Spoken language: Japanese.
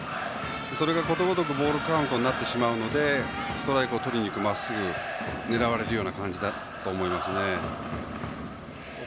それがことごとくボールカウントになっているのでストライクをとりにいくまっすぐを狙われるような感じだと思います。